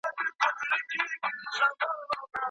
خپل تندی تل ورین وساتئ.